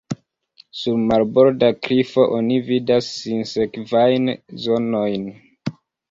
Sur marborda klifo oni vidas sinsekvajn zonojn.